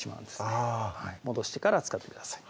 あぁ戻してから使ってください